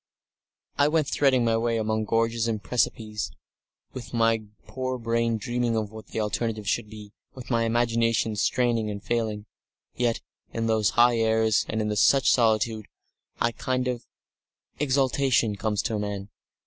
I went threading my way among gorges and precipices, with my poor brain dreaming of what the alternative should be, with my imagination straining and failing. Yet, in those high airs and in such solitude, a kind of exaltation comes to men....